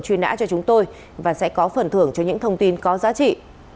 truy nã cho chúng tôi và sẽ có phần thưởng cho những thông tin có giá trị